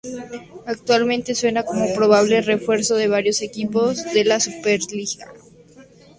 Actualmente suena como probable refuerzo de varios equipos de la Superliga.